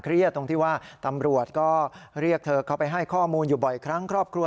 ตรงที่ว่าตำรวจก็เรียกเธอเข้าไปให้ข้อมูลอยู่บ่อยครั้งครอบครัว